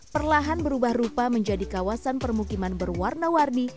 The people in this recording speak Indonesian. perlahan berubah rupa menjadi kawasan permukiman berwarna warni